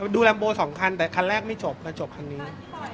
ลัมโบ๒คันแต่คันแรกไม่จบแล้วจบคันนี้